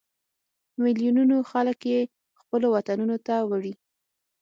په ملیونونو خلک یې خپلو وطنونو ته وړي.